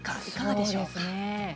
いかがでしょうか。